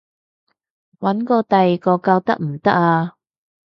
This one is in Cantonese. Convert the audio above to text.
搵過第二個教得唔得啊？